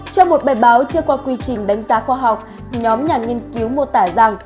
trong một bài báo chưa qua quy trình đánh giá khoa học nhóm nhà nghiên cứu mô tả rằng